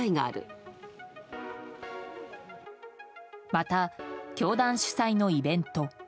また、教団主催のイベント。